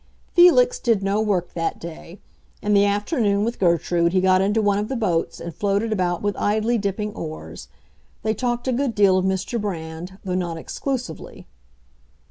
Felix did no work that day. In the afternoon, with Gertrude, he got into one of the boats and floated about with idly dipping oars. They talked a good deal of Mr. Brand—though not exclusively.